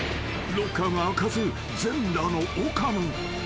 ［ロッカーが開かず全裸の岡野］